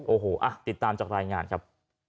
โอ้โหติดตามจากรายงานครับ